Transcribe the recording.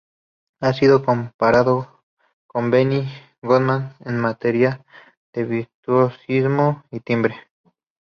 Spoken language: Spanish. Ha sido comparado con Benny Goodman en materia de virtuosismo y timbre.